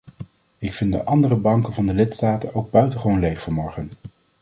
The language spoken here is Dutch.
Ik vind de andere banken van de lidstaten ook buitengewoon leeg vanmorgen.